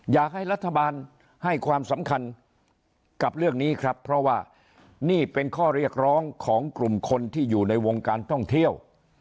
อยากให้รัฐบาลให้ความสำคัญกับเรื่องนี้ครับเพราะว่านี่เป็นข้อเรียกร้องของกลุ่มคนที่อยู่ในวงการท่องเที่ยว